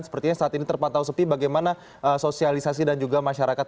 sepertinya saat ini terpantau sepi bagaimana sosialisasi dan juga masyarakat